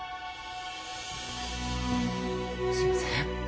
すいません